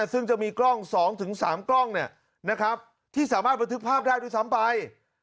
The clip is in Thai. ซึ่งจะมีกล้อง๒๓กล้องที่สามารถบันทึกภาพได้ด้วยซ้ำไป